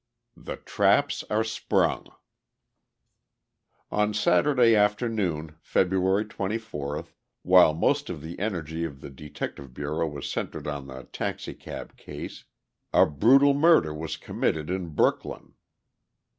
The Traps Are Sprung On Saturday afternoon, February 24, while most of the energy of the Detective Bureau was centered on the taxicab case, a brutal murder was committed in Brooklyn.